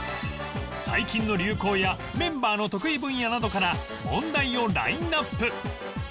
最近の流行やメンバーの得意分野などから問題をラインアップ